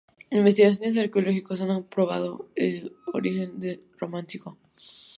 Investigaciones arqueológicas han probado ese origen Románico.